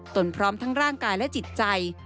ตนพร้อมทั้งร่างกายและจิตใจ